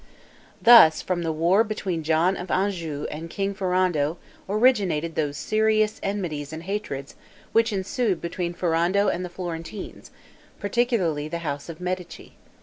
Thus, from the war between John of Anjou and King Ferrando, originated those serious enmities and hatreds which ensued between Ferrando and the Florentines, particularly the house of Medici.